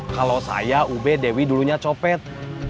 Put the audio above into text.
kalau saya ube dewi dulunya copet